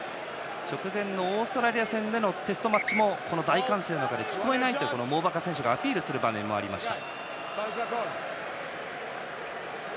直前のオーストラリア戦でのテストマッチも大歓声の中で聞こえないとモーバカ選手がアピールする場面がありました。